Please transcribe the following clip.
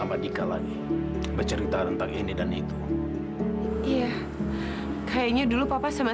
aku ga mau ke rumah